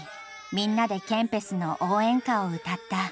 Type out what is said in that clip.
みんなでケンペスの応援歌を歌った。